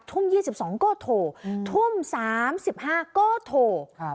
ทุ่ม๒๒ก็โทรทุ่ม๓๕ก็โทร